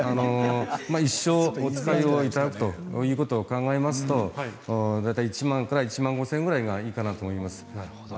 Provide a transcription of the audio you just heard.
一生、お使いいただくということを考えますと大体１万から１万５０００円ぐらいがいいかなと思います。